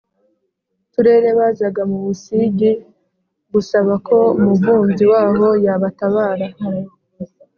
turere bazaga mu Busigi gusaba ko umuvubyi w aho yabatabara